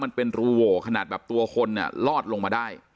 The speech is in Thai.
มันเป็นรูโหวขนาดแบบตัวคนเนี่ยลอดลงมาได้